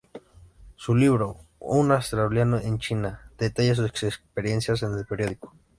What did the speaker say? Su libro 'Un australiano en China' detalla sus experiencias en el periódico.